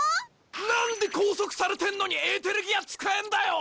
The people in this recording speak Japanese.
何で拘束されてんのにエーテルギア使えんだよ！